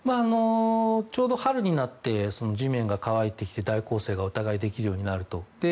ちょうど春になって地面が乾いてきて大攻勢がお互いにできるようになると。